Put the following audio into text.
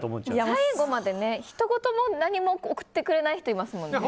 最後までひと言も何も送ってくれない人いますもんね。